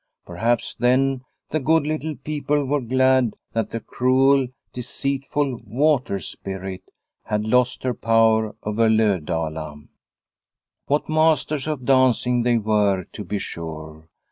Perhaps then the good little people were glad that the cruel, deceitful " water spirit " had lost her power over Lovdala. What masters of dancing they were to be sure